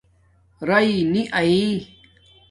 رئ نی آئئ